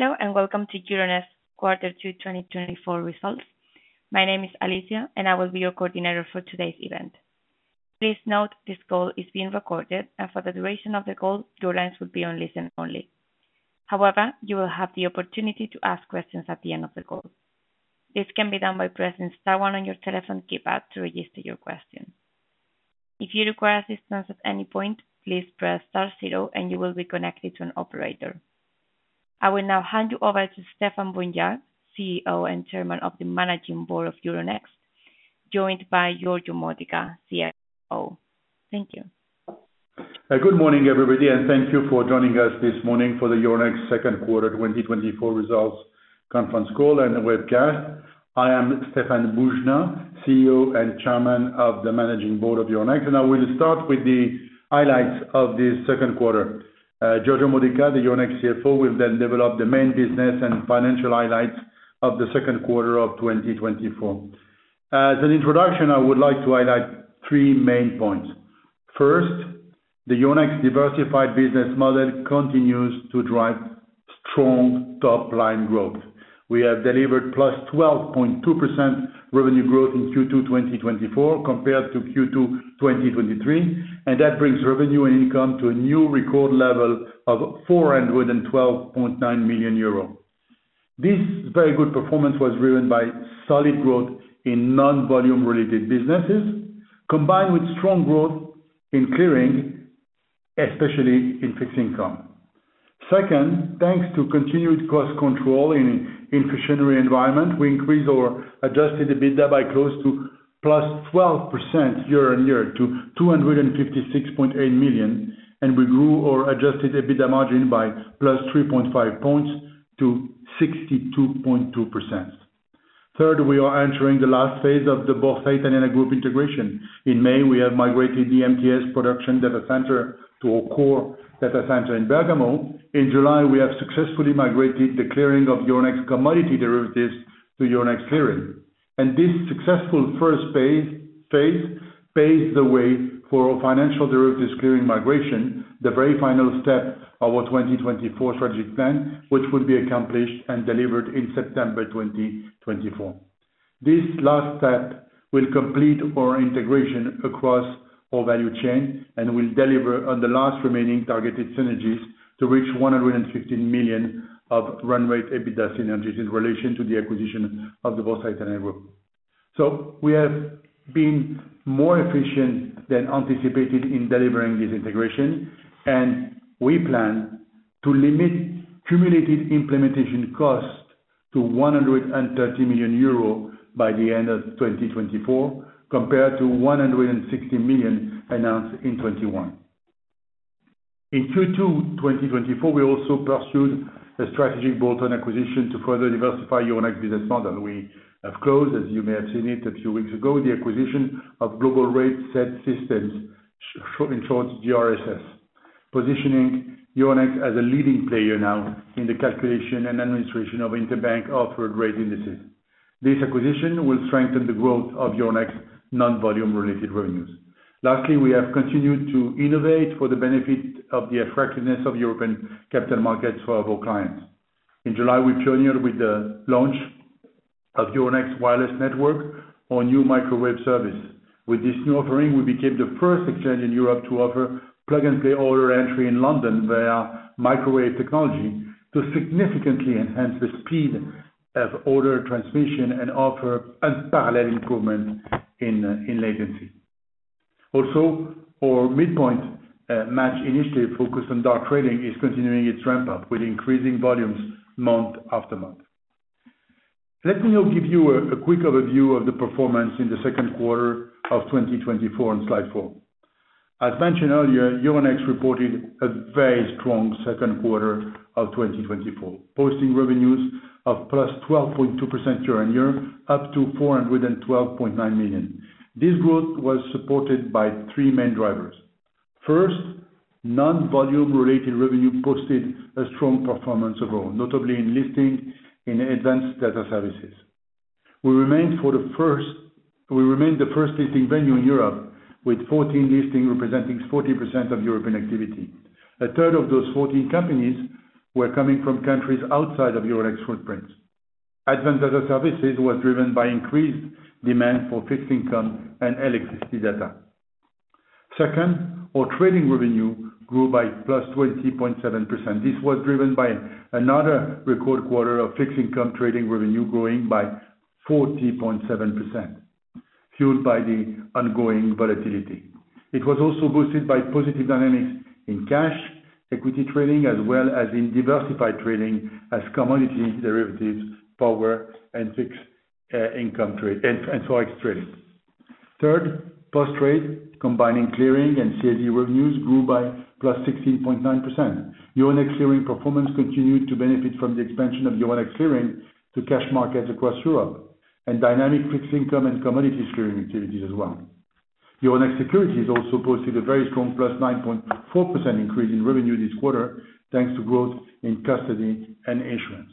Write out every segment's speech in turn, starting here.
Hello, and welcome to Euronext Quarter Two 2024 results. My name is Alicia, and I will be your coordinator for today's event. Please note this call is being recorded, and for the duration of the call, your lines will be on listen only. However, you will have the opportunity to ask questions at the end of the call. This can be done by pressing Star 1 on your telephone keypad to register your question. If you require assistance at any point, please press star zero, and you will be connected to an operator. I will now hand you over to Stéphane Boujnah, CEO and Chairman of the Managing Board of Euronext, joined by Giorgio Modica, CFO. Thank you. Good morning, everybody, and thank you for joining us this morning for the Euronext Second Quarter 2024 results conference call and webcast. I am Stéphane Boujnah, CEO and Chairman of the Managing Board of Euronext, and I will start with the highlights of this second quarter. Giorgio Modica, the Euronext CFO, will then develop the main business and financial highlights of the second quarter of 2024. As an introduction, I would like to highlight three main points. First, the Euronext diversified business model continues to drive strong top-line growth. We have delivered +12.2% revenue growth in Q2 2024 compared to Q2 2023, and that brings revenue and income to a new record level of 412.9 million euro. This very good performance was driven by solid growth in non-volume-related businesses, combined with strong growth in clearing, especially in fixed income. Second, thanks to continued cost control in the inflationary environment, we increased our Adjusted EBITDA by close to +12% year-on-year to 256.8 million, and we grew our Adjusted EBITDA margin by +3.5 points to 62.2%. Third, we are entering the last phase of the Borsa Italiana Group integration. In May, we have migrated the MTS production data center to our core data center in Bergamo. In July, we have successfully migrated the clearing of Euronext commodity derivatives to Euronext Clearing. And this successful first phase paves the way for our financial derivatives clearing migration, the very final step of our 2024 strategic plan, which will be accomplished and delivered in September 2024. This last step will complete our integration across our value chain and will deliver on the last remaining targeted synergies to reach 115 million of run rate EBITDA synergies in relation to the acquisition of the Borsa Italiana Group. So we have been more efficient than anticipated in delivering this integration, and we plan to limit cumulative implementation cost to 130 million euro by the end of 2024, compared to 160 million announced in 2021. In Q2 2024, we also pursued a strategic bolt-on acquisition to further diversify Euronext's business model. We have closed, as you may have seen it a few weeks ago, the acquisition of Global Rate Set Systems, in short, GRSS, positioning Euronext as a leading player now in the calculation and administration of interbank offered rate indices. This acquisition will strengthen the growth of Euronext's non-volume-related revenues. Lastly, we have continued to innovate for the benefit of the attractiveness of European capital markets for our clients. In July, we pioneered with the launch of Euronext Wireless Network, our new microwave service. With this new offering, we became the first exchange in Europe to offer plug-and-play order entry in London via microwave technology to significantly enhance the speed of order transmission and offer parallel improvement in latency. Also, our Midpoint Match initiative focused on dark trading is continuing its ramp-up with increasing volumes month after month. Let me now give you a quick overview of the performance in the second quarter of 2024 on slide four. As mentioned earlier, Euronext reported a very strong second quarter of 2024, posting revenues of +12.2% year-on-year, up to 412.9 million. This growth was supported by three main drivers. First, non-volume-related revenue posted a strong performance overall, notably in Listing and Advanced Data Services. We remained the first listing venue in Europe, with 14 listings representing 40% of European activity. A third of those 14 companies were coming from countries outside of Euronext's footprints. Advanced Data Services was driven by increased demand for fixed income and electricity data. Second, our trading revenue grew by +20.7%. This was driven by another record quarter of fixed income trading revenue growing by +40.7%, fueled by the ongoing volatility. It was also boosted by positive dynamics in cash equity trading, as well as in diversified trading as commodity derivatives, power, and fixed income, forex trading. Third, post-trade, combining clearing and CC&G revenues grew by +16.9%. Euronext Clearing performance continued to benefit from the expansion of Euronext Clearing to cash markets across Europe and dynamic fixed income and commodity clearing activities as well. Euronext Securities also posted a very strong +9.4% increase in revenue this quarter, thanks to growth in custody and issuance.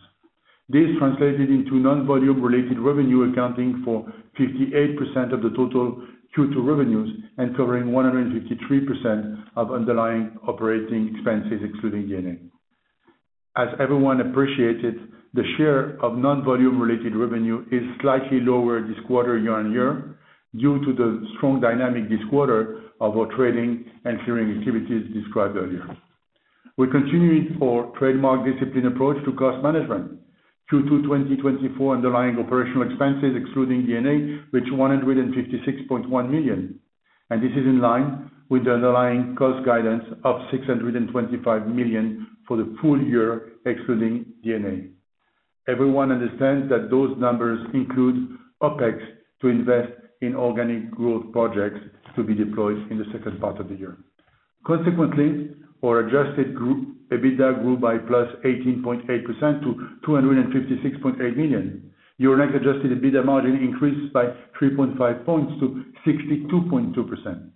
This translated into non-volume-related revenue accounting for 58% of the total Q2 revenues and covering 153% of underlying operating expenses, excluding D&A. As everyone appreciated, the share of non-volume-related revenue is slightly lower this quarter year-over-year due to the strong dynamic this quarter of our trading and clearing activities described earlier. We continued our trademark discipline approach to cost management. Q2 2024 underlying operational expenses, excluding D&A, reached 156.1 million, and this is in line with the underlying cost guidance of 625 million for the full year, excluding D&A. Everyone understands that those numbers include OpEx to invest in organic growth projects to be deployed in the second part of the year. Consequently, our adjusted EBITDA grew by +18.8% to 256.8 million. Euronext adjusted EBITDA margin increased by 3.5 points to 62.2%.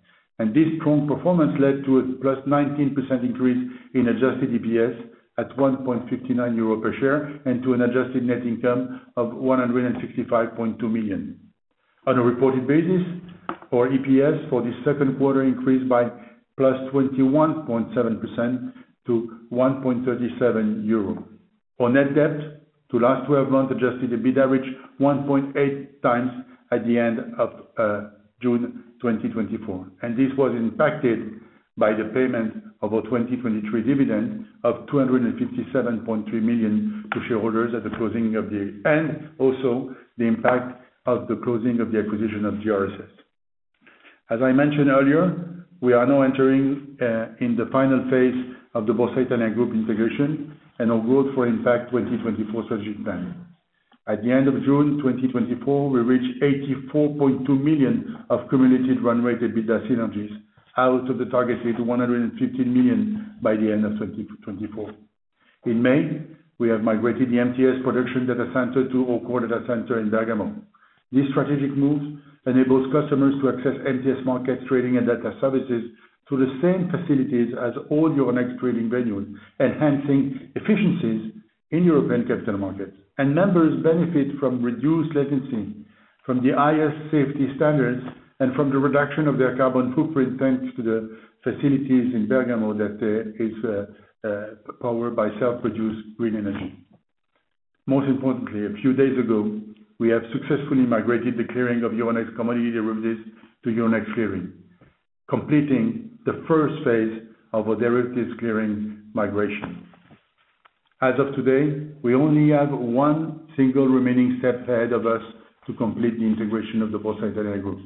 This strong performance led to a +19% increase in adjusted EPS at 1.59 euro per share and to an adjusted net income of 165.2 million. On a reported basis, our EPS for the second quarter increased by +21.7% to 1.37 euro. Our net debt to last 12 months adjusted EBITDA reached 1.8x at the end of June 2024. This was impacted by the payment of our 2023 dividend of 257.3 million to shareholders at the closing of the year, and also the impact of the closing of the acquisition of GRSS. As I mentioned earlier, we are now entering in the final phase of the Borsa Italiana and the Group integration and our Growth for Impact 2024 strategic plan. At the end of June 2024, we reached 84.2 million of cumulative run rate EBITDA synergies out of the targeted 115 million by the end of 2024. In May, we have migrated the MTS production data center to our core data center in Bergamo. This strategic move enables customers to access MTS markets, trading, and data services through the same facilities as all Euronext trading venues, enhancing efficiencies in European capital markets. Members benefit from reduced latency, from the highest safety standards, and from the reduction of their carbon footprint thanks to the facilities in Bergamo that is powered by self-produced green energy. Most importantly, a few days ago, we have successfully migrated the clearing of Euronext commodity derivatives to Euronext Clearing, completing the first phase of our derivatives clearing migration. As of today, we only have one single remaining step ahead of us to complete the integration of the Borsa Italiana Group.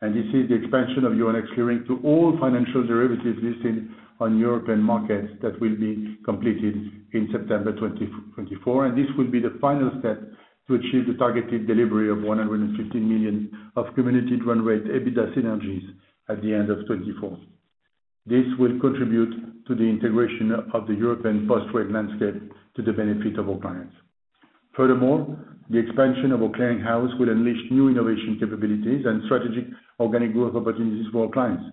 This is the expansion of Euronext Clearing to all financial derivatives listed on European markets that will be completed in September 2024. This will be the final step to achieve the targeted delivery of 115 million of cumulative run rate EBITDA synergies at the end of 2024. This will contribute to the integration of the European post-trade landscape to the benefit of our clients. Furthermore, the expansion of our clearing house will unleash new innovation capabilities and strategic organic growth opportunities for our clients.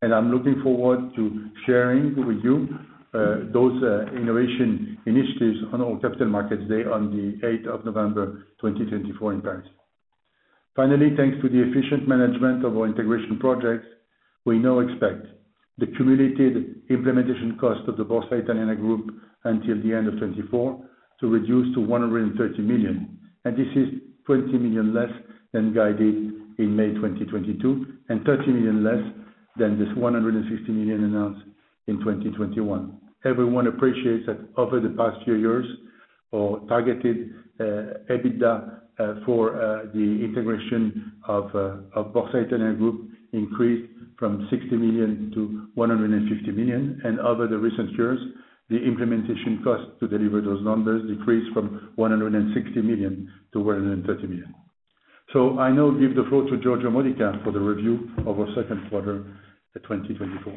I'm looking forward to sharing with you those innovation initiatives on our capital markets day on the 8th of November 2024 in Paris. Finally, thanks to the efficient management of our integration projects, we now expect the cumulative implementation cost of the Borsa Italiana Group until the end of 2024 to reduce to 130 million. This is 20 million less than guided in May 2022 and 30 million less than this 160 million announced in 2021. Everyone appreciates that over the past few years, our targeted EBITDA for the integration of Borsa Italiana Group increased from 60 million-150 million. Over the recent years, the implementation cost to deliver those numbers decreased from 160 million-130 million. I now give the floor to Giorgio Modica for the review of our second quarter of 2024.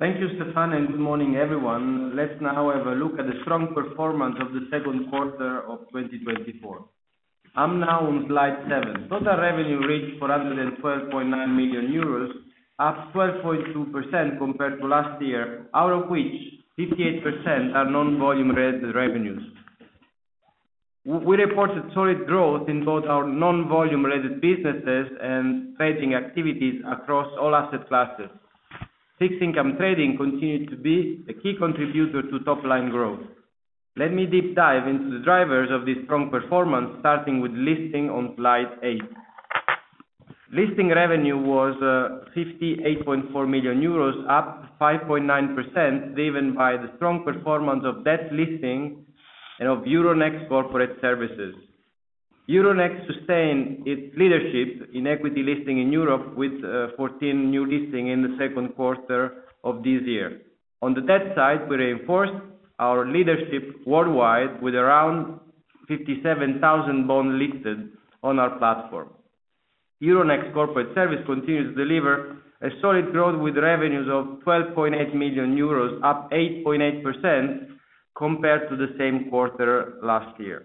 Thank you, Stéphane, and good morning, everyone. Let's now have a look at the strong performance of the second quarter of 2024. I'm now on slide seven. Total revenue reached 412.9 million euros, up 12.2% compared to last year, out of which 58% are non-volume-related revenues. We reported solid growth in both our non-volume-related businesses and trading activities across all asset classes. Fixed income trading continued to be a key contributor to top-line growth. Let me deep dive into the drivers of this strong performance, starting with listing on slide eight. Listing revenue was 58.4 million euros, up 5.9%, driven by the strong performance of debt listing and of Euronext Corporate Services. Euronext sustained its leadership in equity listing in Europe with 14 new listings in the second quarter of this year. On the debt side, we reinforced our leadership worldwide with around 57,000 bonds listed on our platform. Euronext corporate service continues to deliver a solid growth with revenues of 12.8 million euros, up 8.8% compared to the same quarter last year.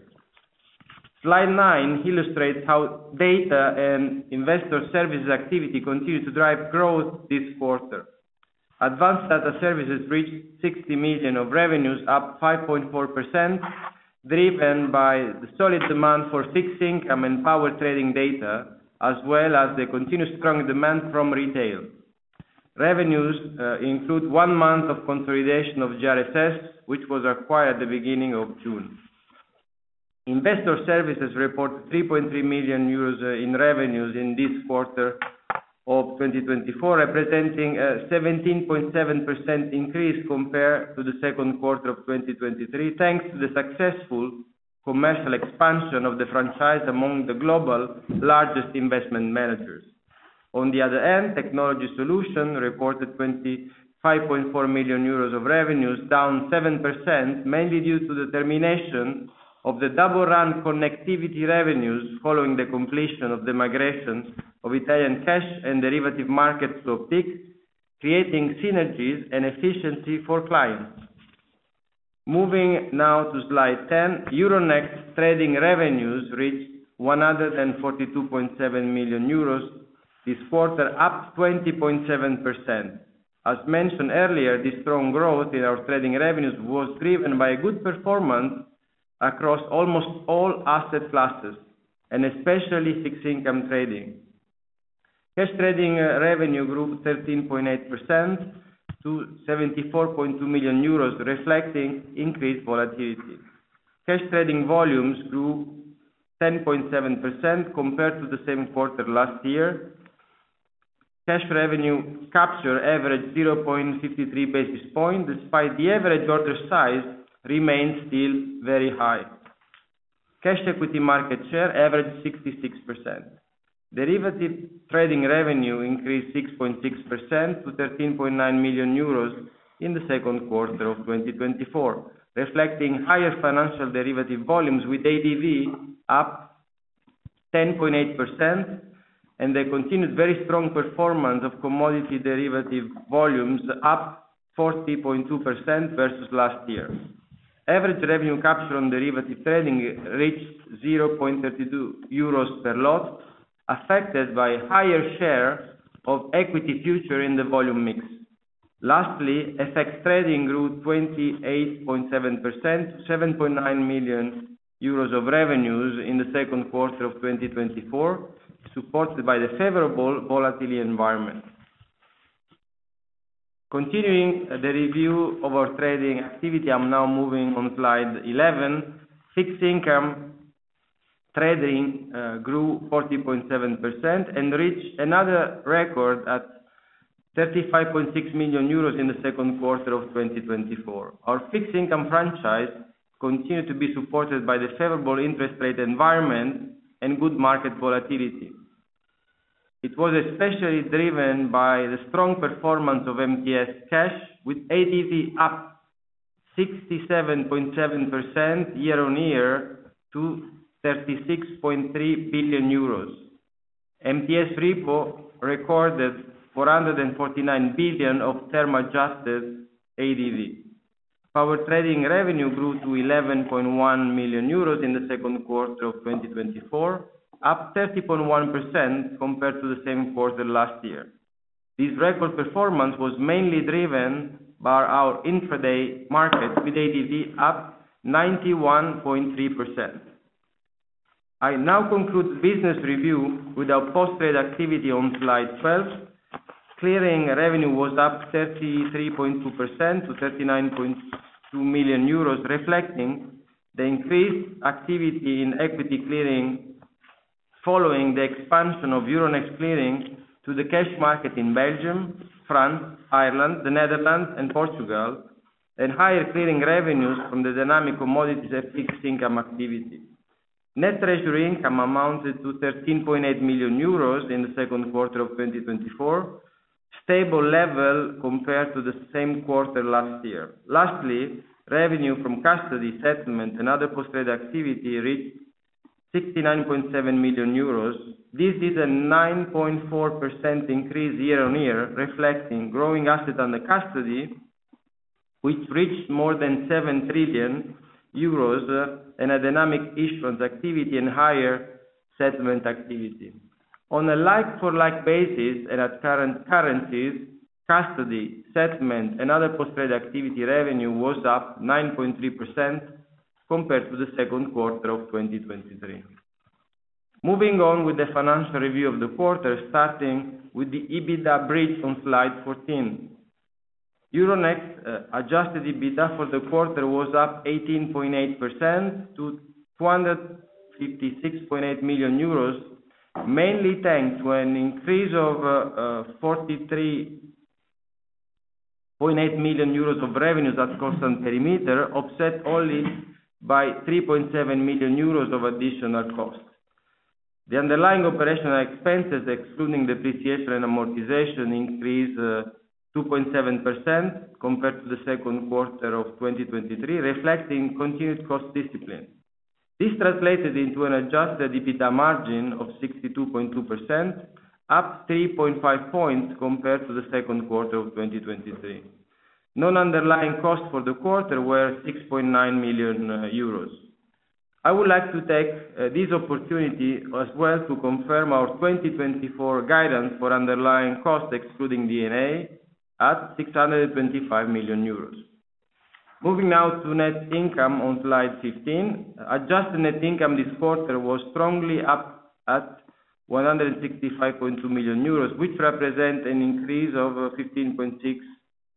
Slide nine illustrates how data and Investor Services activity continues to drive growth this quarter. Advanced Data Services reached 60 million, of revenues up 5.4%, driven by the solid demand for fixed income and power trading data, as well as the continued strong demand from retail. Revenues include one month of consolidation of GRSS, which was acquired at the beginning of June. Investor Services reported 3.3 million euros in revenues in this quarter of 2024, representing a 17.7% increase compared to the second quarter of 2023, thanks to the successful commercial expansion of the franchise among the global largest investment managers. On the other end, Technology Solutions reported 25.4 million euros of revenues, down 7%, mainly due to the termination of the double-run connectivity revenues following the completion of the migration of Italian cash and derivative markets to Optiq, creating synergies and efficiency for clients. Moving now to slide 10, Euronext trading revenues reached 142.7 million euros this quarter, up 20.7%. As mentioned earlier, this strong growth in our trading revenues was driven by good performance across almost all asset classes, and especially fixed income trading. Cash trading revenue grew 13.8% to 74.2 million euros, reflecting increased volatility. Cash trading volumes grew 10.7% compared to the same quarter last year. Cash revenue capture averaged 0.53 basis points, despite the average order size remained still very high. Cash equity market share averaged 66%. Derivative trading revenue increased 6.6% to 13.9 million euros in the second quarter of 2024, reflecting higher financial derivative volumes with ADV up 10.8%, and the continued very strong performance of commodity derivative volumes up 40.2% versus last year. Average revenue capture on derivative trading reached 0.32 euros per lot, affected by a higher share of equity futures in the volume mix. Lastly, FX trading grew 28.7% to 7.9 million euros of revenues in the second quarter of 2024, supported by the favorable volatility environment. Continuing the review of our trading activity, I'm now moving on slide 11. Fixed income trading grew 40.7% and reached another record at 35.6 million euros in the second quarter of 2024. Our fixed income franchise continued to be supported by the favorable interest rate environment and good market volatility. It was especially driven by the strong performance of MTS Cash, with ADV up 67.7% year-on-year to 36.3 billion euros. MTS Repo recorded 449 billion of term-adjusted ADV. Our trading revenue grew to 11.1 million euros in the second quarter of 2024, up 30.1% compared to the same quarter last year. This record performance was mainly driven by our intraday markets, with ADV up 91.3%. I now conclude the business review with our post-trade activity on slide 12. Clearing revenue was up 33.2% to 39.2 million euros, reflecting the increased activity in equity clearing following the expansion of Euronext Clearing to the cash market in Belgium, France, Ireland, the Netherlands, and Portugal, and higher clearing revenues from the dynamic commodities and fixed income activity. Net treasury income amounted to 13.8 million euros in the second quarter of 2024, stable level compared to the same quarter last year. Lastly, revenue from custody settlement and other post-trade activity reached 69.7 million euros. This is a 9.4% increase year-on-year, reflecting growing assets under custody, which reached more than 7 trillion euros, and a dynamic issuance activity and higher settlement activity. On a like-for-like basis and at current currencies, custody settlement and other post-trade activity revenue was up 9.3% compared to the second quarter of 2023. Moving on with the financial review of the quarter, starting with the EBITDA bridge on slide 14. Euronext adjusted EBITDA for the quarter was up 18.8% to 256.8 million euros, mainly thanks to an increase of 43.8 million euros of revenues at constant perimeter, offset only by 3.7 million euros of additional costs. The underlying operational expenses, excluding depreciation and amortization, increased 2.7% compared to the second quarter of 2023, reflecting continued cost discipline. This translated into an adjusted EBITDA margin of 62.2%, up 3.5 points compared to the second quarter of 2023. Non-underlying costs for the quarter were 6.9 million euros. I would like to take this opportunity as well to confirm our 2024 guidance for underlying costs, excluding D&A, at 625 million euros. Moving now to net income on slide 15. Adjusted net income this quarter was strongly up at 165.2 million euros, which represents an increase of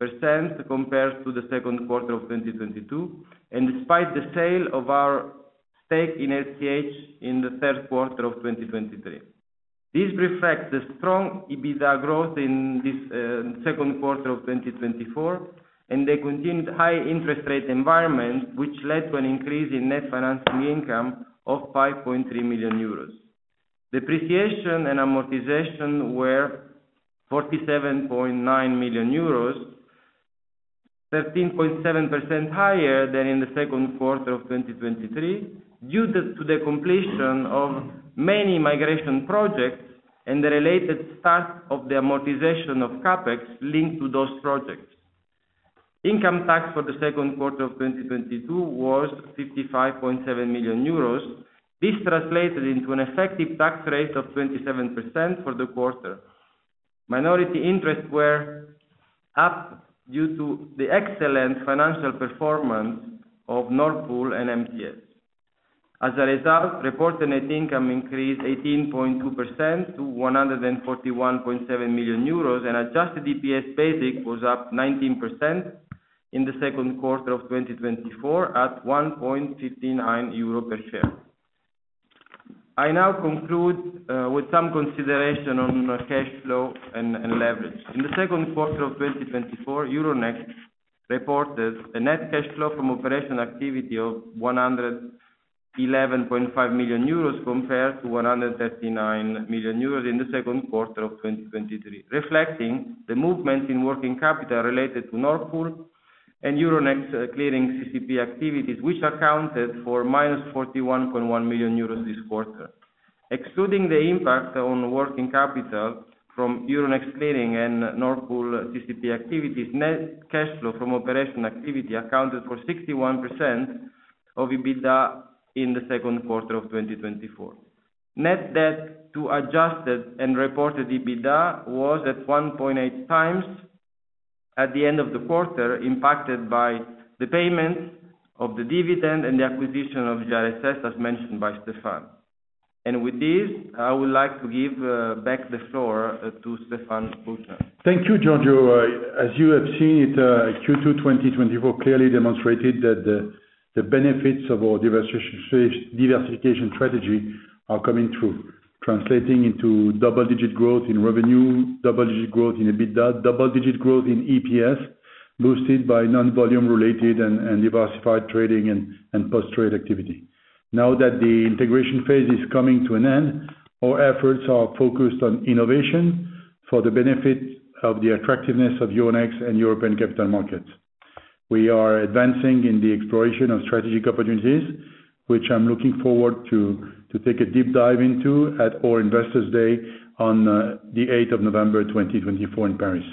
15.6% compared to the second quarter of 2022, and despite the sale of our stake in LCH in the third quarter of 2023. This reflects the strong EBITDA growth in this second quarter of 2024 and the continued high interest rate environment, which led to an increase in net financing income of 5.3 million euros. Depreciation and amortization were 47.9 million euros, 13.7% higher than in the second quarter of 2023, due to the completion of many migration projects and the related start of the amortization of CapEx linked to those projects. Income tax for the second quarter of 2022 was 55.7 million euros. This translated into an effective tax rate of 27% for the quarter. Minority interests were up due to the excellent financial performance of Nord Pool and MTS. As a result, reported net income increased 18.2% to 141.7 million euros, and adjusted EPS basic was up 19% in the second quarter of 2024 at 1.59 euro per share. I now conclude with some consideration on cash flow and leverage. In the second quarter of 2024, Euronext reported a net cash flow from operational activity of 111.5 million euros compared to 139 million euros in the second quarter of 2023, reflecting the movement in working capital related to Nord Pool and Euronext Clearing CCP activities, which accounted for 41.1 million euros this quarter. Excluding the impact on working capital from Euronext Clearing and Nord Pool CCP activities, net cash flow from operational activity accounted for 61% of EBITDA in the second quarter of 2024. Net debt to adjusted and reported EBITDA was at 1.8x at the end of the quarter, impacted by the payment of the dividend and the acquisition of GRSS, as mentioned by Stéphane. With this, I would like to give back the floor to Stéphane Boujnah. Thank you, Giorgio. As you have seen, Q2 2024 clearly demonstrated that the benefits of our diversification strategy are coming through, translating into double-digit growth in revenue, double-digit growth in EBITDA, double-digit growth in EPS, boosted by non-volume-related and diversified trading and post-trade activity. Now that the integration phase is coming to an end, our efforts are focused on innovation for the benefit of the attractiveness of Euronext and European capital markets. We are advancing in the exploration of strategic opportunities, which I'm looking forward to take a deep dive into at our investors' day on the 8th of November 2024 in Paris.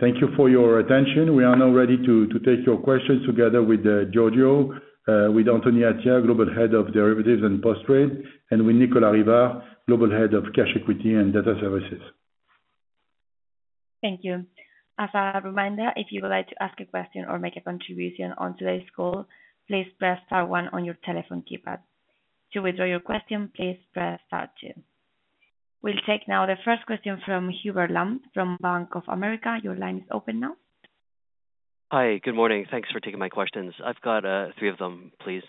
Thank you for your attention. We are now ready to take your questions together with Giorgio, with Anthony Attia, Global Head of Derivatives and Post-Trade, and with Nicolas Rivard, Global Head of Cash Equity and Data Services. Thank you. As a reminder, if you would like to ask a question or make a contribution on today's call, please press star one on your telephone keypad. To withdraw your question, please press star two. We'll take now the first question from Hubert Lam from Bank of America. Your line is open now. Hi, good morning. Thanks for taking my questions. I've got three of them, please.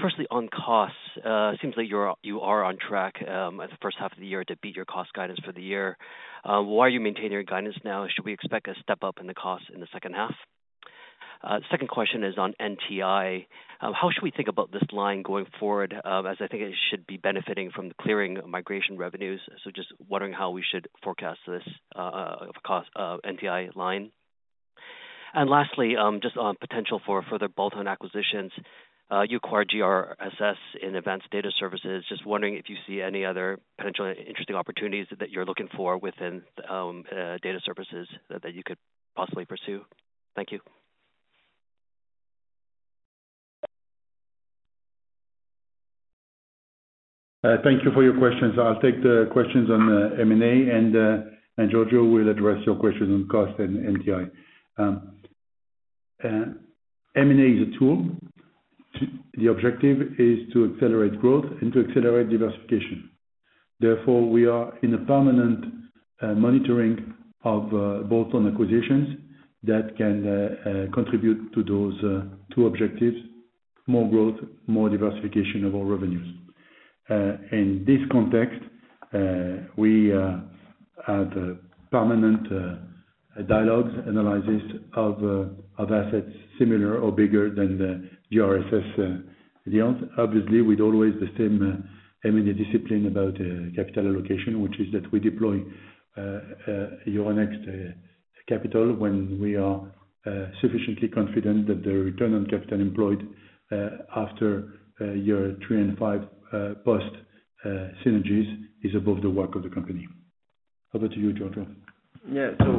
Firstly, on costs, it seems like you are on track in the first half of the year to beat your cost guidance for the year. Why are you maintaining your guidance now? Should we expect a step up in the costs in the second half? The second question is on NTI. How should we think about this line going forward, as I think it should be benefiting from the clearing migration revenues? So just wondering how we should forecast this NTI line. And lastly, just on potential for further bolt-on acquisitions, you acquired GRSS in Advanced Data Services. Just wondering if you see any other potential interesting opportunities that you're looking for within data services that you could possibly pursue. Thank you. Thank you for your questions. I'll take the questions on M&A, and Giorgio will address your questions on cost and NTI. M&A is a tool. The objective is to accelerate growth and to accelerate diversification. Therefore, we are in a permanent monitoring of bolt-on acquisitions that can contribute to those two objectives: more growth, more diversification of our revenues. In this context, we have permanent dialogues, analysis of assets similar or bigger than the GRSS deals. Obviously, with always the same M&A discipline about capital allocation, which is that we deploy Euronext capital when we are sufficiently confident that the return on capital employed after year three and five post-synergies is above the WACC of the company. Over to you, Giorgio. Yeah, so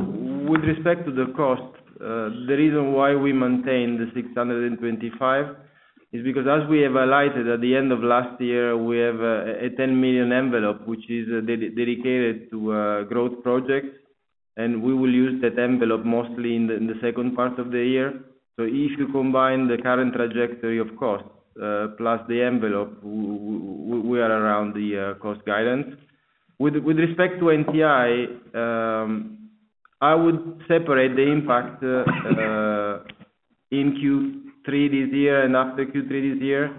with respect to the cost, the reason why we maintain the 625 is because, as we have highlighted at the end of last year, we have a 10 million envelope, which is dedicated to growth projects, and we will use that envelope mostly in the second part of the year. So if you combine the current trajectory of costs plus the envelope, we are around the cost guidance. With respect to NTI, I would separate the impact in Q3 this year and after Q3 this year.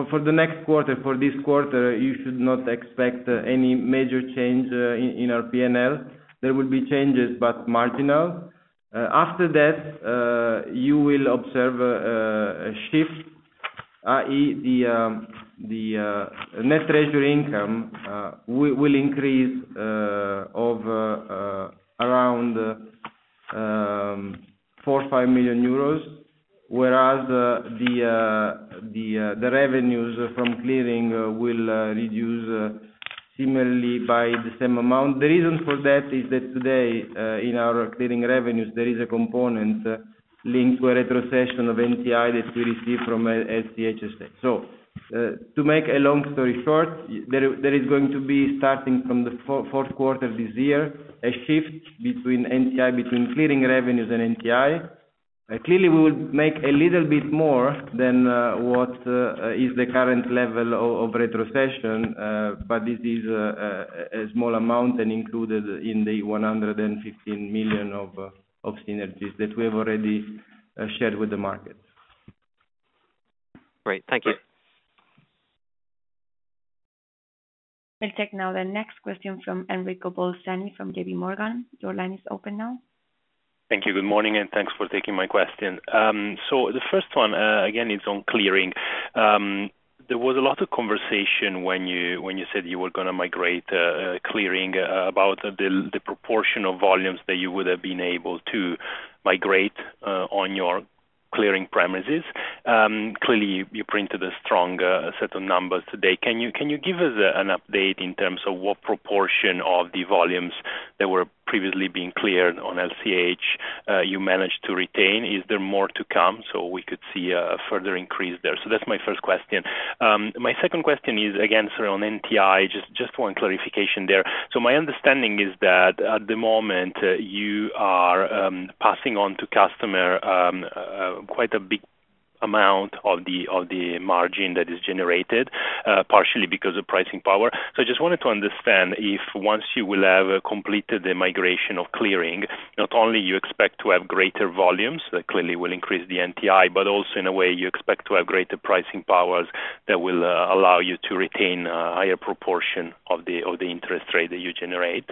For the next quarter, for this quarter, you should not expect any major change in our P&L. There will be changes, but marginal. After that, you will observe a shift, i.e., the net treasury income will increase of around EUR 4 million-EUR 5 million, whereas the revenues from clearing will reduce similarly by the same amount. The reason for that is that today, in our clearing revenues, there is a component linked to a retrocession of NTI that we receive from LCH SA. So to make a long story short, there is going to be, starting from the fourth quarter this year, a shift between NTI, between clearing revenues and NTI. Clearly, we will make a little bit more than what is the current level of retrocession, but this is a small amount and included in the 115 million of synergies that we have already shared with the markets. Great. Thank you. We'll take now the next question from Enrico Bolzoni from JPMorgan. Your line is open now. Thank you. Good morning, and thanks for taking my question. So the first one, again, it's on clearing. There was a lot of conversation when you said you were going to migrate clearing about the proportion of volumes that you would have been able to migrate on your clearing premises. Clearly, you printed a strong set of numbers today. Can you give us an update in terms of what proportion of the volumes that were previously being cleared on LCH you managed to retain? Is there more to come so we could see a further increase there? So that's my first question. My second question is, again, sorry, on NTI, just one clarification there. So my understanding is that at the moment, you are passing on to customer quite a big amount of the margin that is generated, partially because of pricing power. So I just wanted to understand if, once you will have completed the migration of clearing, not only do you expect to have greater volumes that clearly will increase the NTI, but also, in a way, you expect to have greater pricing powers that will allow you to retain a higher proportion of the interest rate that you generate.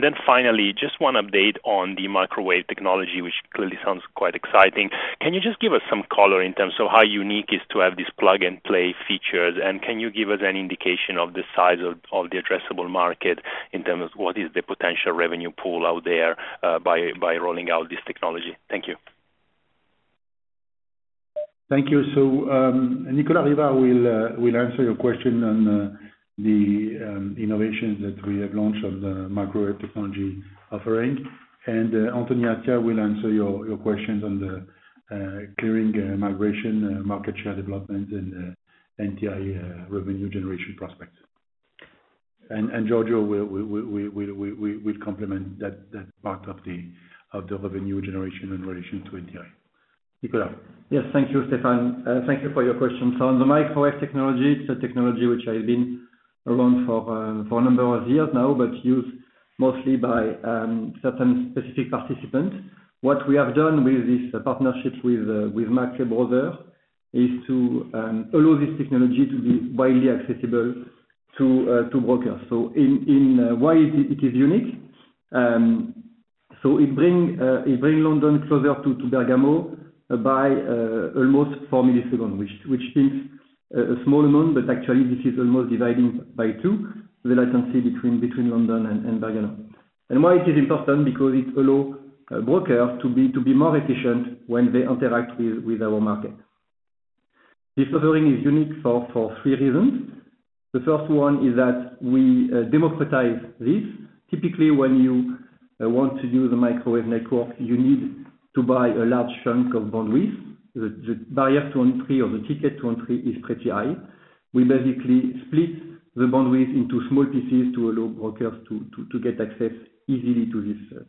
Then finally, just one update on the microwave technology, which clearly sounds quite exciting. Can you just give us some color in terms of how unique it is to have these plug-and-play features? Can you give us an indication of the size of the addressable market in terms of what is the potential revenue pool out there by rolling out this technology? Thank you. Thank you. So Nicolas Rivard will answer your question on the innovations that we have launched on the microwave technology offering. And Anthony Attia will answer your questions on the clearing migration, market share development, and NTI revenue generation prospects. And Giorgio will complement that part of the revenue generation in relation to NTI. Nicolas. Yes, thank you, Stéphane. Thank you for your question. So on the microwave technology, it's a technology which I've been around for a number of years now, but used mostly by certain specific participants. What we have done with this partnership with McKay Brothers is to allow this technology to be widely accessible to brokers. So why it is unique? So it brings London closer to Bergamo by almost 4 ms, which means a small amount, but actually, this is almost dividing by two the latency between London and Bergamo. And why it is important? Because it allows brokers to be more efficient when they interact with our market. This offering is unique for three reasons. The first one is that we democratize this. Typically, when you want to use a microwave network, you need to buy a large chunk of bandwidth. The barrier to entry or the ticket to entry is pretty high. We basically split the bandwidth into small pieces to allow brokers to get access easily to this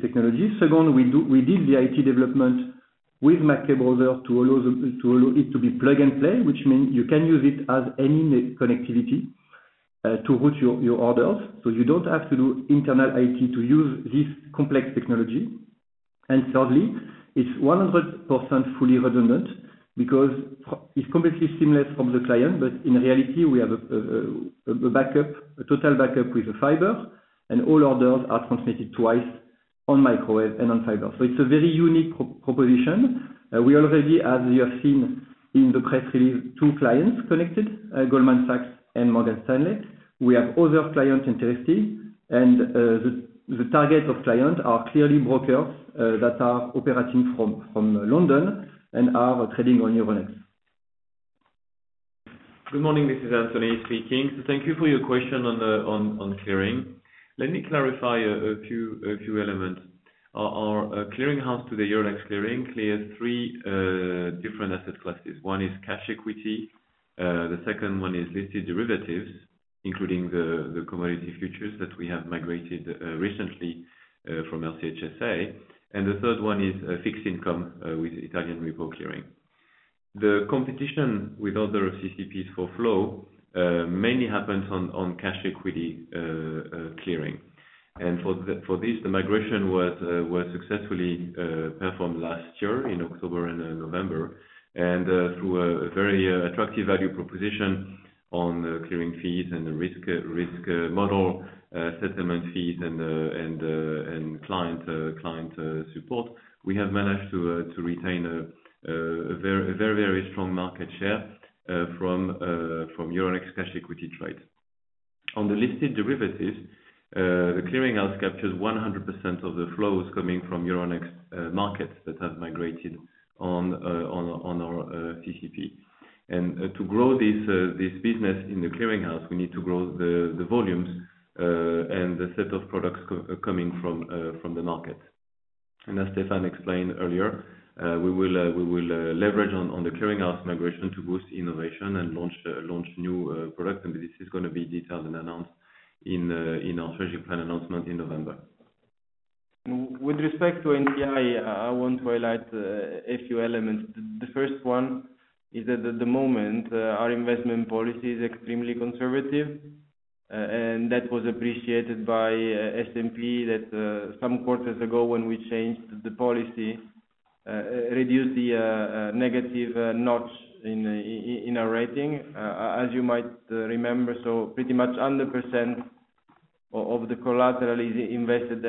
technology. Second, we did the IT development with McKay Brothers to allow it to be plug-and-play, which means you can use it as any connectivity to route your orders. So you don't have to do internal IT to use this complex technology. And thirdly, it's 100% fully redundant because it's completely seamless from the client, but in reality, we have a total backup with a fiber, and all orders are transmitted twice on microwave and on fiber. So it's a very unique proposition. We already, as you have seen in the press release, two clients connected, Goldman Sachs and Morgan Stanley. We have other clients interested, and the target of clients are clearly brokers that are operating from London and are trading on Euronext. Good morning. This is Anthony speaking. So thank you for your question on clearing. Let me clarify a few elements. Our clearing house today, Euronext Clearing, clears three different asset classes. One is cash equity. The second one is listed derivatives, including the commodity futures that we have migrated recently from LCH SA. And the third one is fixed income with Italian repo clearing. The competition with other CCPs for flow mainly happens on cash equity clearing. And for this, the migration was successfully performed last year in October and November. And through a very attractive value proposition on clearing fees and the risk model, settlement fees, and client support, we have managed to retain a very, very strong market share from Euronext cash equity trades. On the listed derivatives, the clearing house captures 100% of the flows coming from Euronext markets that have migrated on our CCP. To grow this business in the clearing house, we need to grow the volumes and the set of products coming from the market. As Stéphane explained earlier, we will leverage on the clearing house migration to boost innovation and launch new products. This is going to be detailed and announced in our strategic plan announcement in November. With respect to NTI, I want to highlight a few elements. The first one is that at the moment, our investment policy is extremely conservative, and that was appreciated by S&P that some quarters ago, when we changed the policy, reduced the negative notch in our rating. As you might remember, so pretty much 100% of the collateral is invested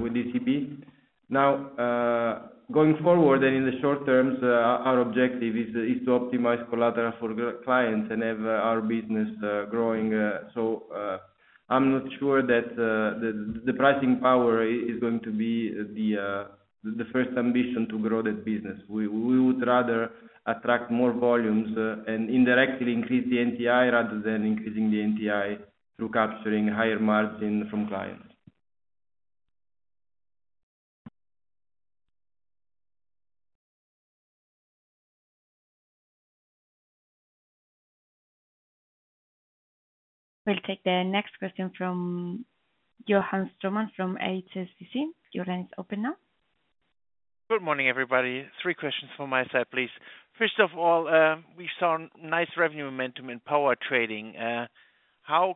with the ECB. Now, going forward and in the short term, our objective is to optimize collateral for clients and have our business growing. So I'm not sure that the pricing power is going to be the first ambition to grow that business. We would rather attract more volumes and indirectly increase the NTI rather than increasing the NTI through capturing higher margin from clients. We'll take the next question from Johannes Thormann from HSBC. Your line is open now. Good morning, everybody. Three questions from my side, please. First of all, we saw nice revenue momentum in power trading. How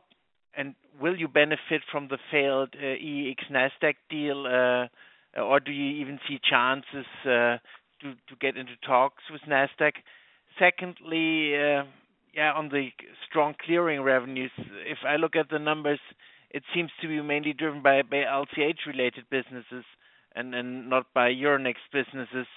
and will you benefit from the failed EEX Nasdaq deal, or do you even see chances to get into talks with Nasdaq? Secondly, yeah, on the strong clearing revenues, if I look at the numbers, it seems to be mainly driven by LCH-related businesses and not by Euronext businesses,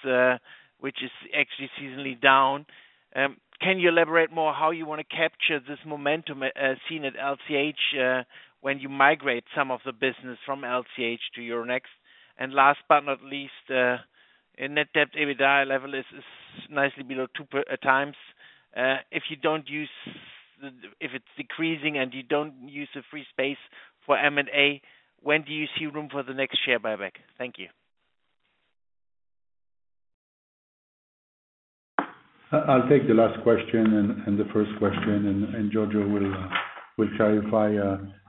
which is actually seasonally down. Can you elaborate more how you want to capture this momentum seen at LCH when you migrate some of the business from LCH to Euronext? And last but not least, net debt EBITDA level is nicely below 2x. If you don't use if it's decreasing and you don't use the free space for M&A, when do you see room for the next share buyback? Thank you. I'll take the last question and the first question, and Giorgio will clarify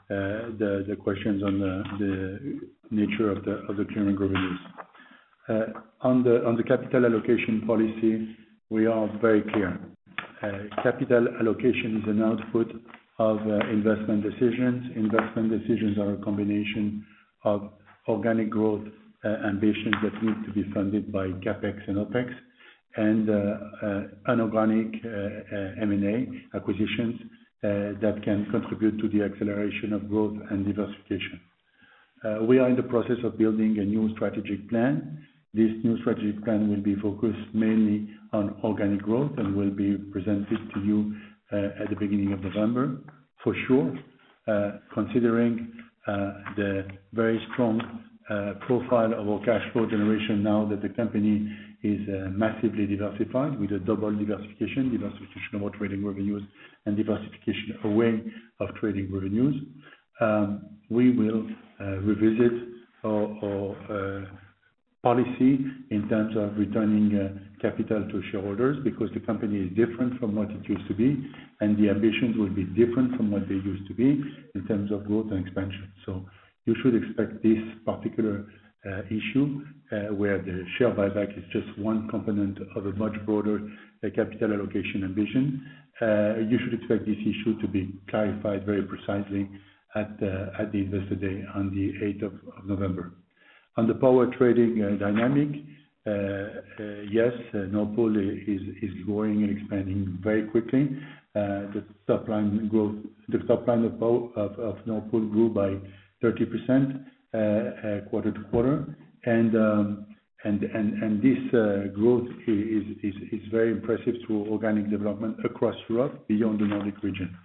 the questions on the nature of the clearing revenues. On the capital allocation policy, we are very clear. Capital allocation is an output of investment decisions. Investment decisions are a combination of organic growth ambitions that need to be funded by CapEx and OpEx, and an organic M&A acquisitions that can contribute to the acceleration of growth and diversification. We are in the process of building a new strategic plan. This new strategic plan will be focused mainly on organic growth and will be presented to you at the beginning of November, for sure. Considering the very strong profile of our cash flow generation now that the company is massively diversified with a double diversification, diversification of our trading revenues and diversification away of trading revenues, we will revisit our policy in terms of returning capital to shareholders because the company is different from what it used to be, and the ambitions will be different from what they used to be in terms of growth and expansion. So you should expect this particular issue where the share buyback is just one component of a much broader capital allocation ambition. You should expect this issue to be clarified very precisely at the Investor Day on the 8th of November. On the power trading dynamic, yes, Nord Pool is growing and expanding very quickly. The top line growth, the top line of Nord Pool grew by 30% quarter-over-quarter. This growth is very impressive through organic development across Europe, beyond the Nordic region.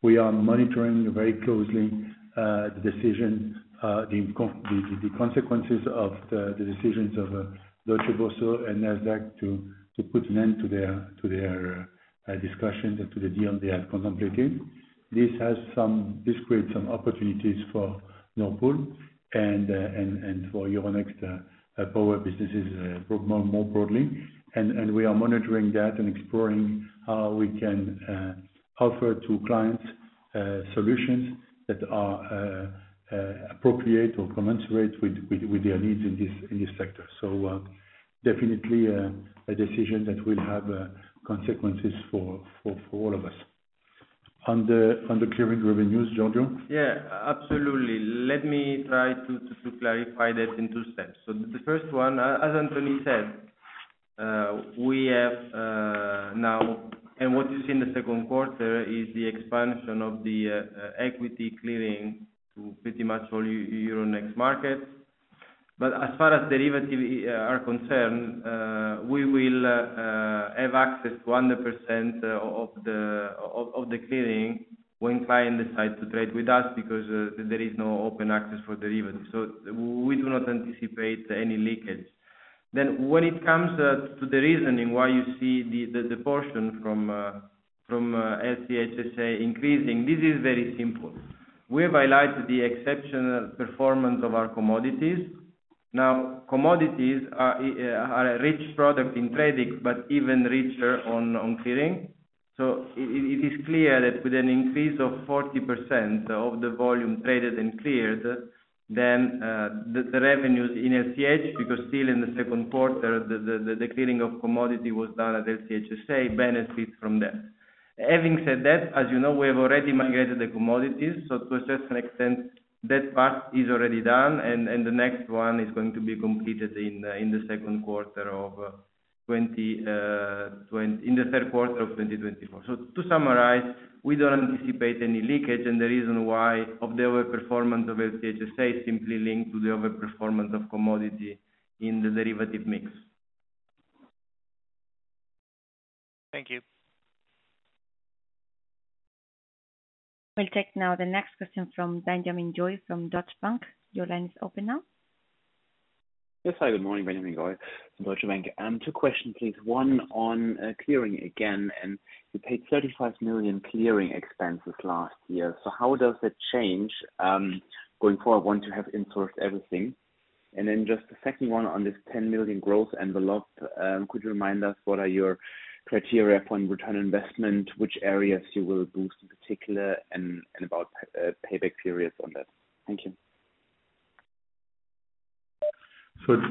We are monitoring very closely the decision, the consequences of the decisions of Deutsche Boerse and Nasdaq to put an end to their discussions and to the deal they have contemplated. This has created some opportunities for Nord Pool and for Euronext power businesses more broadly. We are monitoring that and exploring how we can offer to clients solutions that are appropriate or commensurate with their needs in this sector. So definitely a decision that will have consequences for all of us. On the clearing revenues, Giorgio? Yeah, absolutely. Let me try to clarify that in two steps. So the first one, as Anthony said, we have now, and what you see in the second quarter is the expansion of the equity clearing to pretty much all Euronext markets. But as far as derivatives are concerned, we will have access to 100% of the clearing when clients decide to trade with us because there is no open access for derivatives. So we do not anticipate any leakage. Then when it comes to the reasoning why you see the portion from LCH SA increasing, this is very simple. We have highlighted the exceptional performance of our commodities. Now, commodities are a rich product in trading, but even richer on clearing. So it is clear that with an increase of 40% of the volume traded and cleared, then the revenues in LCH, because still in the second quarter, the clearing of commodity was done at LCH SA, benefits from that. Having said that, as you know, we have already migrated the commodities. So to a certain extent, that part is already done, and the next one is going to be completed in the third quarter of 2024. So to summarize, we don't anticipate any leakage, and the reason why of the overperformance of LCH SA is simply linked to the overperformance of commodity in the derivative mix. Thank you. We'll take now the next question from Benjamin Goy from Deutsche Bank. Your line is open now. Yes, hi, good morning, Benjamin Goy from Deutsche Bank. Two questions, please. One on clearing again. And you paid 35 million clearing expenses last year. So how does that change going forward? Want to have insourced everything? And then just the second one on this 10 million growth envelope, could you remind us what are your criteria for return on investment, which areas you will boost in particular, and about payback periods on that? Thank you.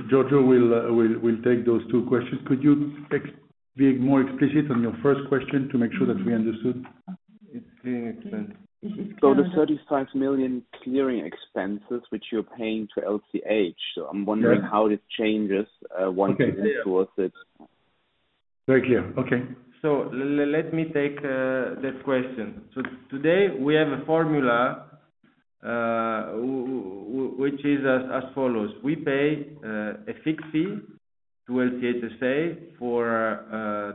Giorgio will take those two questions. Could you be more explicit on your first question to make sure that we understood? It's clearing expenses. The 35 million clearing expenses, which you're paying to LCH, so I'm wondering how this changes once you insource it. Okay. Very clear. Okay. So let me take that question. So today, we have a formula which is as follows. We pay a fixed fee to LCH SA for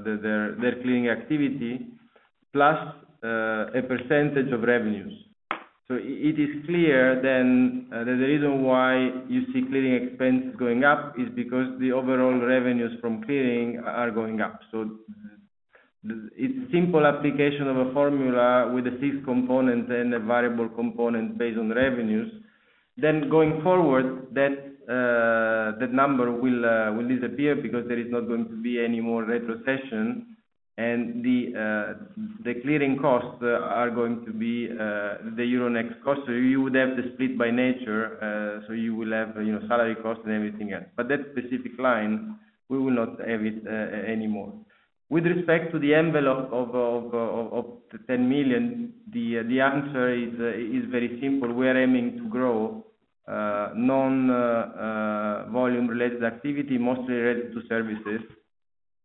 their clearing activity plus a percentage of revenues. So it is clear then that the reason why you see clearing expenses going up is because the overall revenues from clearing are going up. So it's simple application of a formula with a fixed component and a variable component based on revenues. Then going forward, that number will disappear because there is not going to be any more retrocession, and the clearing costs are going to be the Euronext costs. So you would have the split by nature, so you will have salary costs and everything else. But that specific line, we will not have it anymore. With respect to the envelope of 10 million, the answer is very simple. We are aiming to grow non-volume-related activity, mostly related to services.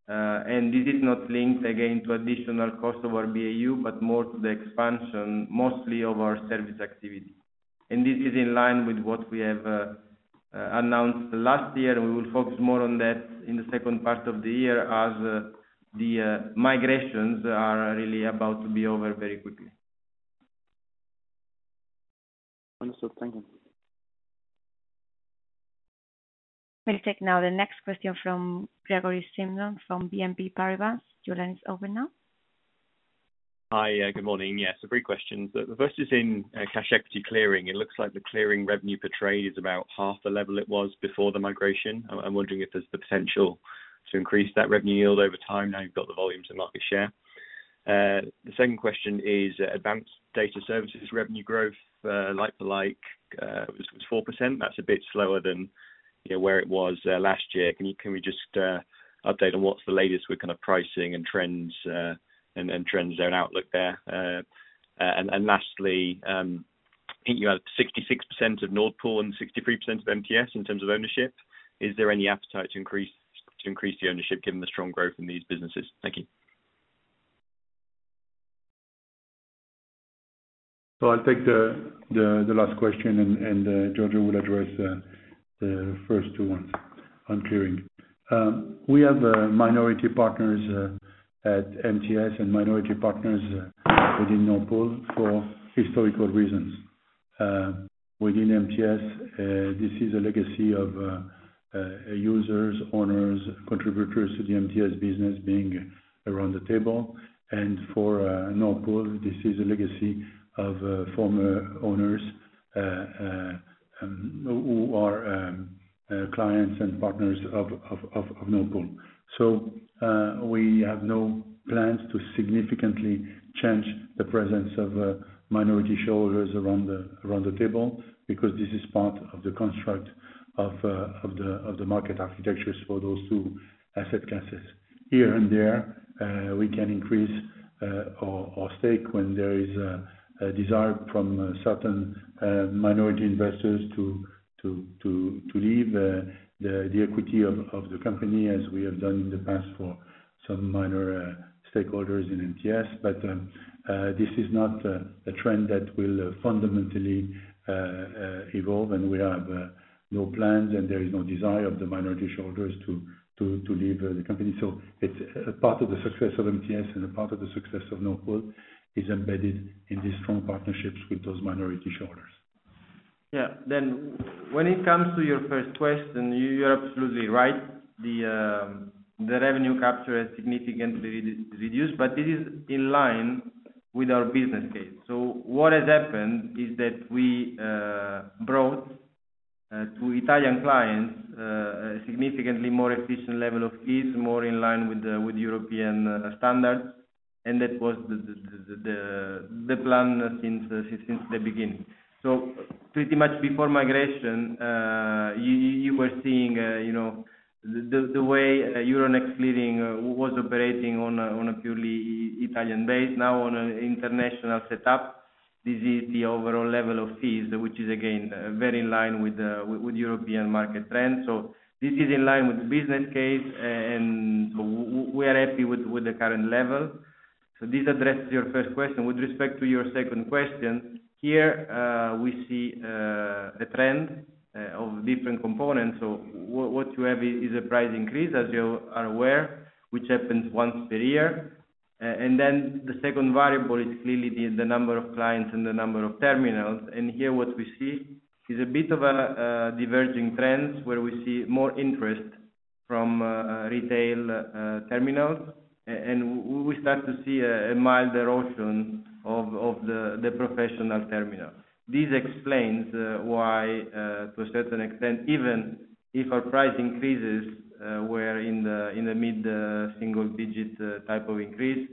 This is not linked, again, to additional cost of our BAU, but more to the expansion, mostly of our service activity. This is in line with what we have announced last year, and we will focus more on that in the second part of the year as the migrations are really about to be over very quickly. Understood. Thank you. We'll take now the next question from Gregory Simpson from BNP Paribas. Your line is open now. Hi, good morning. Yes, three questions. The first is in cash equity clearing. It looks like the clearing revenue per trade is about half the level it was before the migration. I'm wondering if there's the potential to increase that revenue yield over time now you've got the volumes and market share. The second question is Advanced Data Services revenue growth, like for like, was 4%. That's a bit slower than where it was last year. Can we just update on what's the latest with kind of pricing and trends and trends and outlook there? And lastly, you had 66% of Nord Pool and 63% of MTS in terms of ownership. Is there any appetite to increase the ownership given the strong growth in these businesses? Thank you. So I'll take the last question, and Giorgio will address the first two ones on clearing. We have minority partners at MTS and minority partners within Nordpool for historical reasons. Within MTS, this is a legacy of users, owners, contributors to the MTS business being around the table. And for Nordpool, this is a legacy of former owners who are clients and partners of Nordpool. So we have no plans to significantly change the presence of minority shareholders around the table because this is part of the construct of the market architectures for those two asset classes. Here and there, we can increase our stake when there is a desire from certain minority investors to leave the equity of the company, as we have done in the past for some minor stakeholders in MTS. But this is not a trend that will fundamentally evolve, and we have no plans, and there is no desire of the minority shareholders to leave the company. So part of the success of MTS and part of the success of Nord Pool is embedded in these strong partnerships with those minority shareholders. Yeah. Then when it comes to your first question, you're absolutely right. The revenue capture has significantly reduced, but this is in line with our business case. So what has happened is that we brought to Italian clients a significantly more efficient level of fees, more in line with European standards, and that was the plan since the beginning. So pretty much before migration, you were seeing the way Euronext Clearing was operating on a purely Italian base. Now, on an international setup, this is the overall level of fees, which is, again, very in line with European market trends. So this is in line with the business case, and we are happy with the current level. So this addresses your first question. With respect to your second question, here we see a trend of different components. What you have is a price increase, as you are aware, which happens once per year. Then the second variable is clearly the number of clients and the number of terminals. Here what we see is a bit of a diverging trend where we see more interest from retail terminals, and we start to see a mild erosion of the professional terminal. This explains why, to a certain extent, even if our price increases were in the mid-single-digit type of increase,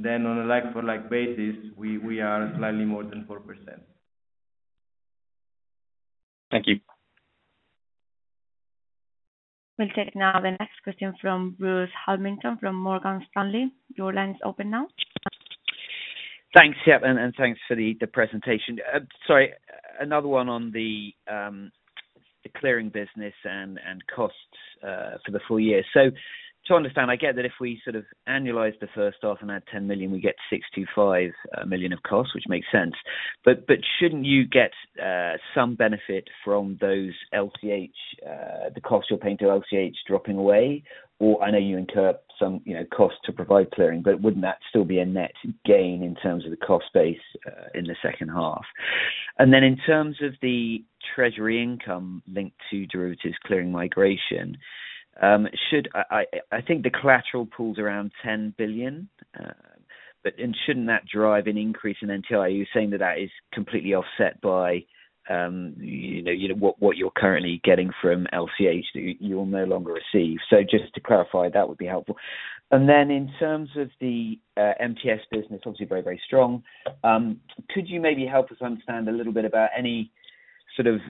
then on a like-for-like basis, we are slightly more than 4%. Thank you. We'll take now the next question from Bruce Hamilton from Morgan Stanley. Your line is open now. Thanks, Yep, and thanks for the presentation. Sorry, another one on the clearing business and costs for the full year. So to understand, I get that if we sort of annualize the first half and add 10 million, we get 65 million of costs, which makes sense. But shouldn't you get some benefit from those LCH, the cost you're paying to LCH dropping away? Or I know you incur some cost to provide clearing, but wouldn't that still be a net gain in terms of the cost base in the second half? And then in terms of the treasury income linked to derivatives clearing migration, I think the collateral pulls around 10 billion, and shouldn't that drive an increase in NTI, saying that that is completely offset by what you're currently getting from LCH that you'll no longer receive? So just to clarify, that would be helpful. Then in terms of the MTS business, obviously very, very strong, could you maybe help us understand a little bit about any sort of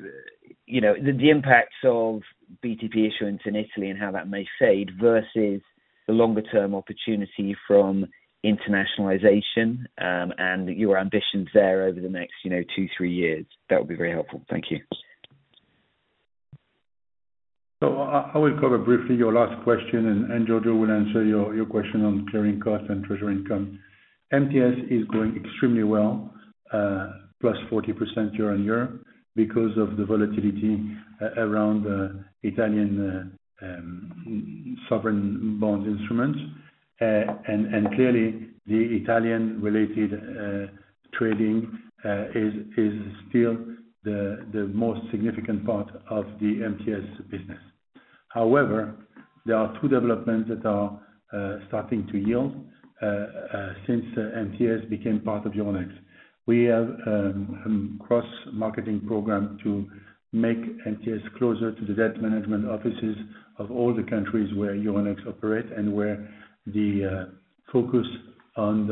the impacts of BTP issuance in Italy and how that may fade versus the longer-term opportunity from internationalization and your ambitions there over the next two, three years? That would be very helpful. Thank you. So I will cover briefly your last question, and Giorgio will answer your question on clearing costs and treasury income. MTS is going extremely well, +40% year-on-year because of the volatility around Italian sovereign bond instruments. And clearly, the Italian-related trading is still the most significant part of the MTS business. However, there are two developments that are starting to yield since MTS became part of Euronext. We have a cross-marketing program to make MTS closer to the debt management offices of all the countries where Euronext operates and where the focus on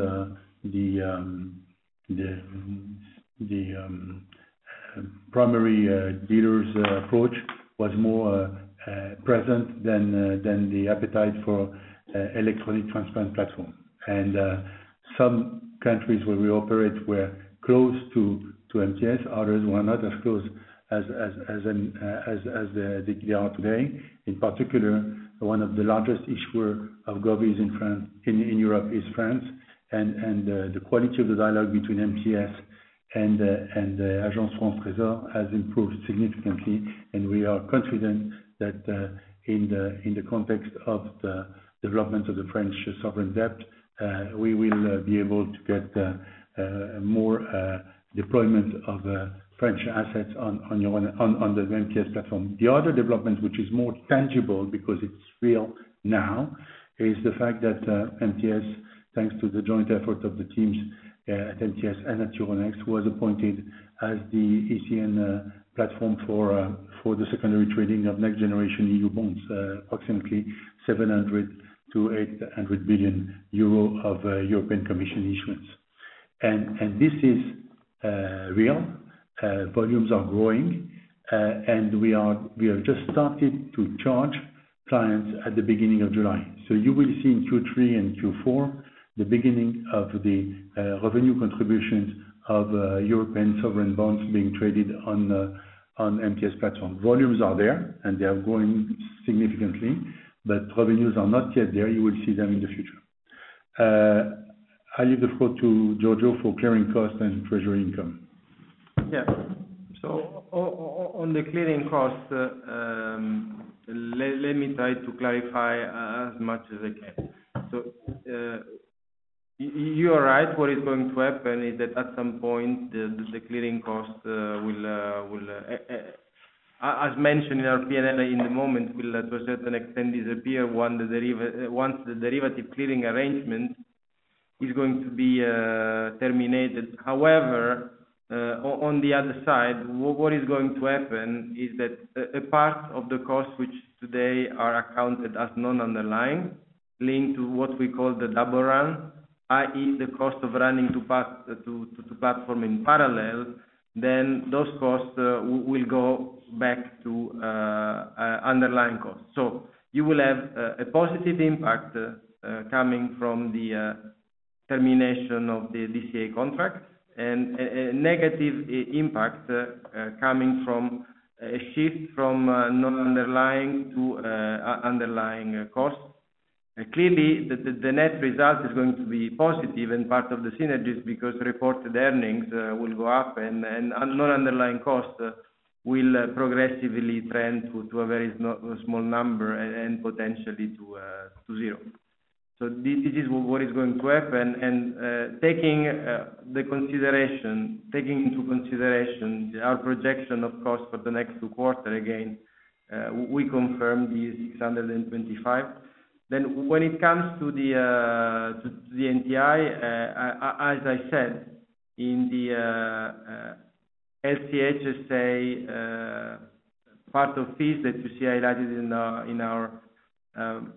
the primary dealers' approach was more present than the appetite for electronic transparent platforms. And some countries where we operate were close to MTS. Others were not as close as they are today. In particular, one of the largest issuers of govvies in Europe is France, and the quality of the dialogue between MTS and the Agence France Trésor has improved significantly. We are confident that in the context of the development of the French sovereign debt, we will be able to get more deployment of French assets on the MTS platform. The other development, which is more tangible because it's real now, is the fact that MTS, thanks to the joint effort of the teams at MTS and at Euronext, was appointed as the ECN platform for the secondary trading of NextGenerationEU bonds, approximately 700 billion-800 billion euro of European Commission issuance. This is real. Volumes are growing, and we have just started to charge clients at the beginning of July. You will see in Q3 and Q4 the beginning of the revenue contributions of European sovereign bonds being traded on MTS platform. Volumes are there, and they are growing significantly, but revenues are not yet there. You will see them in the future. I leave the floor to Giorgio for clearing costs and treasury income. Yeah. So on the clearing costs, let me try to clarify as much as I can. So you are right. What is going to happen is that at some point, the clearing costs will, as mentioned in our P&L in the moment, will, to a certain extent, disappear once the derivative clearing arrangement is going to be terminated. However, on the other side, what is going to happen is that a part of the costs which today are accounted as non-underlying linked to what we call the double run, i.e., the cost of running to platform in parallel, then those costs will go back to underlying costs. So you will have a positive impact coming from the termination of the DCA contract and a negative impact coming from a shift from non-underlying to underlying costs. Clearly, the net result is going to be positive and part of the synergies because reported earnings will go up and non-underlying costs will progressively trend to a very small number and potentially to zero. So this is what is going to happen. Taking into consideration our projection of costs for the next two quarters, again, we confirm the 625. When it comes to the NTI, as I said, in the LCH SA part of fees that you see highlighted in our presentation,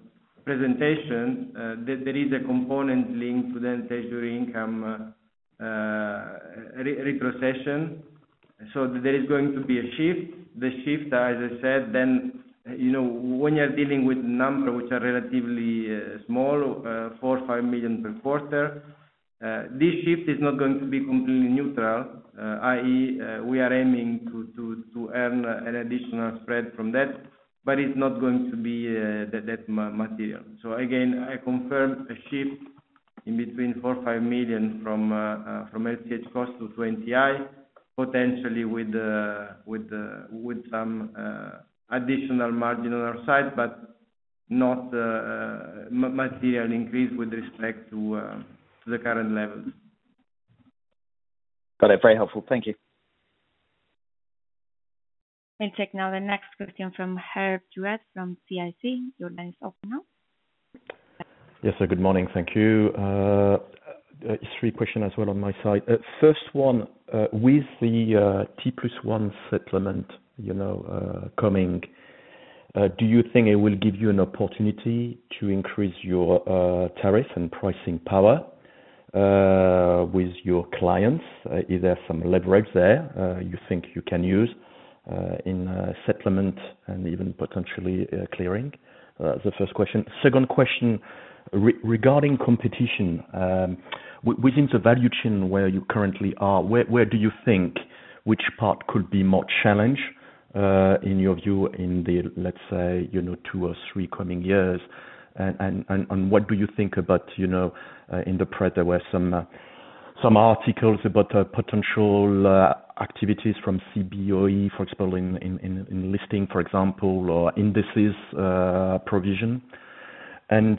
there is a component linked to the treasury income retrocession. So there is going to be a shift. The shift, as I said, when you're dealing with numbers which are relatively small, 4 million-5 million per quarter, this shift is not going to be completely neutral, i.e., we are aiming to earn an additional spread from that, but it's not going to be that material. So again, I confirm a shift in between 4 million-5 million from LCH costs to NTI, potentially with some additional margin on our side, but not a material increase with respect to the current levels. Got it. Very helpful. Thank you. We'll take now the next question from Hervé Drouet from CIC. Your line is open now. Yes, sir. Good morning. Thank you. Three questions as well on my side. First one, with the T+1 settlement coming, do you think it will give you an opportunity to increase your tariff and pricing power with your clients? Is there some leverage there you think you can use in settlement and even potentially clearing? That's the first question. Second question regarding competition. Within the value chain where you currently are, where do you think which part could be more challenged in your view in the, let's say, two or three coming years? And what do you think about in the press? There were some articles about potential activities from Cboe, for example, in listing, for example, or indices provision. And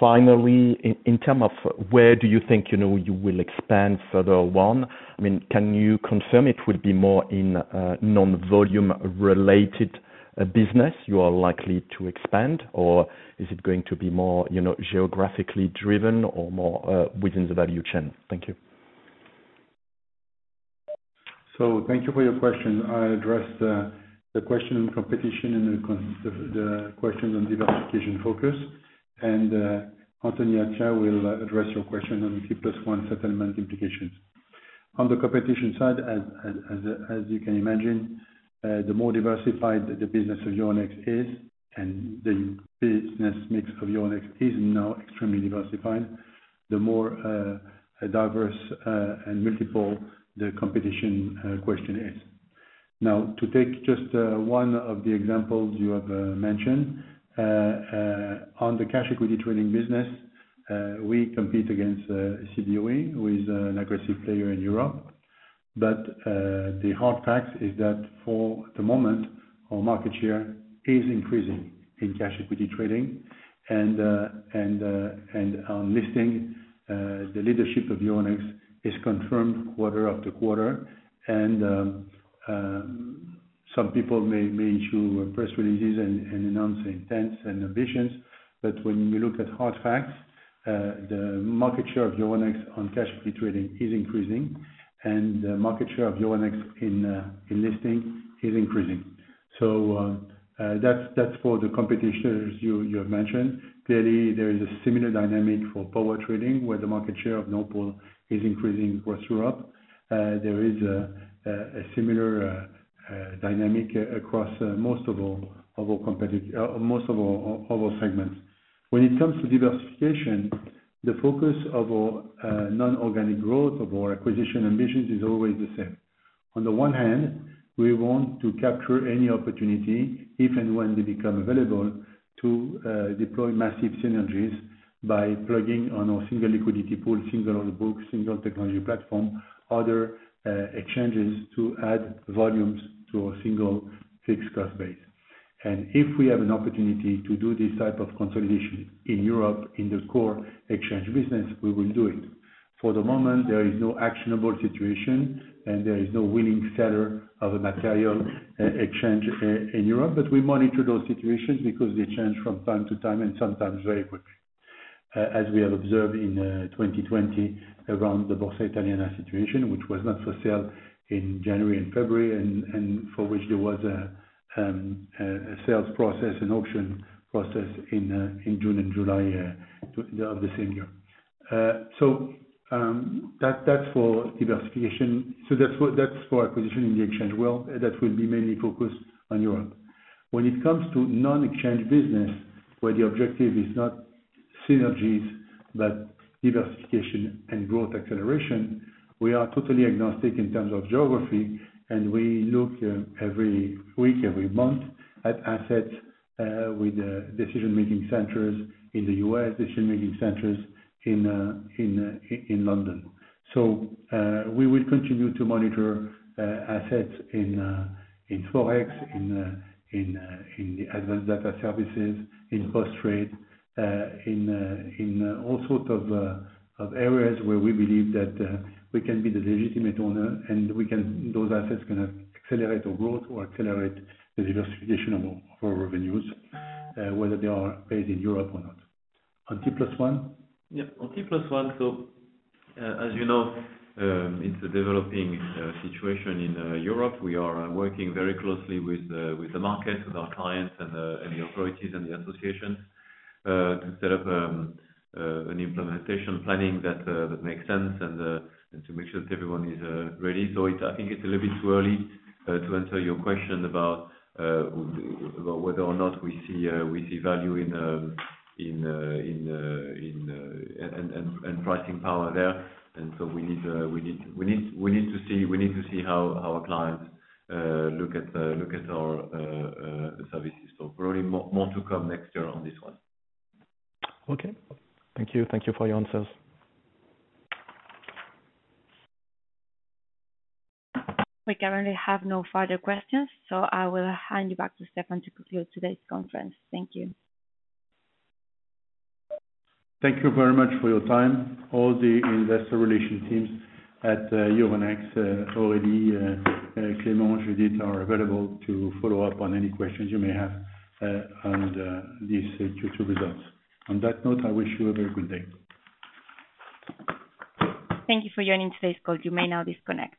finally, in terms of where do you think you will expand further on? I mean, can you confirm it would be more in non-volume-related business you are likely to expand, or is it going to be more geographically driven or more within the value chain? Thank you. So thank you for your question. I addressed the question on competition and the question on diversification focus. Anthony Attia will address your question on T+1 settlement implications. On the competition side, as you can imagine, the more diversified the business of Euronext is, and the business mix of Euronext is now extremely diversified, the more diverse and multiple the competition question is. Now, to take just one of the examples you have mentioned, on the cash equity trading business, we compete against Cboe, who is an aggressive player in Europe. But the hard fact is that for the moment, our market share is increasing in cash equity trading. On listing, the leadership of Euronext is confirmed quarter after quarter. Some people may issue press releases and announce intents and ambitions. But when you look at hard facts, the market share of Euronext on cash equity trading is increasing, and the market share of Euronext in listing is increasing. So that's for the competition you have mentioned. Clearly, there is a similar dynamic for power trading, where the market share of Nord Pool is increasing across Europe. There is a similar dynamic across most of our segments. When it comes to diversification, the focus of our non-organic growth, of our acquisition ambitions, is always the same. On the one hand, we want to capture any opportunity, if and when they become available, to deploy massive synergies by plugging on our single liquidity pool, single order book, single technology platform, other exchanges to add volumes to our single fixed cost base. If we have an opportunity to do this type of consolidation in Europe in the core exchange business, we will do it. For the moment, there is no actionable situation, and there is no willing seller of a material exchange in Europe. But we monitor those situations because they change from time to time and sometimes very quickly, as we have observed in 2020 around the Borsa Italiana situation, which was not for sale in January and February, and for which there was a sales process, an auction process in June and July of the same year. So that's for diversification. So that's for acquisition in the exchange world. That will be mainly focused on Europe. When it comes to non-exchange business, where the objective is not synergies but diversification and growth acceleration, we are totally agnostic in terms of geography, and we look every week, every month at assets with decision-making centers in the U.S., decision-making centers in London. So we will continue to monitor assets in Forex, in the Advanced Data Services, in post-trade, in all sorts of areas where we believe that we can be the legitimate owner, and those assets can accelerate our growth or accelerate the diversification of our revenues, whether they are based in Europe or not. On T+1? Yeah. On T+1, so as you know, it's a developing situation in Europe. We are working very closely with the market, with our clients, and the authorities, and the associations to set up an implementation planning that makes sense and to make sure that everyone is ready. So I think it's a little bit too early to answer your question about whether or not we see value in pricing power there. And so we need to see how our clients look at our services. So probably more to come next year on this one. Okay. Thank you. Thank you for your answers. We currently have no further questions, so I will hand you back to Stéphane to conclude today's conference. Thank you. Thank you very much for your time. All the investor relation teams at Euronext, Aurélie, Clément, Judith are available to follow up on any questions you may have on these Q2 results. On that note, I wish you a very good day. Thank you for joining today's call. You may now disconnect.